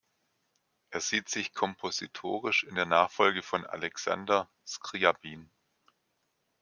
Er sieht sich kompositorisch in der Nachfolge von Alexander Skrjabin.